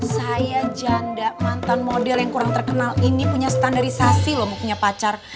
saya janda mantan model yang kurang terkenal ini punya standarisasi loh punya pacar